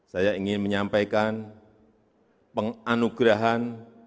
saya ingin menyampaikan penganugerahan